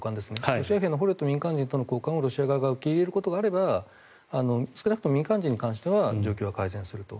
ロシアの捕虜と民間人との交換をロシア側が受け入れることがあれば少なくとも民間人に関しては状況が改善すると。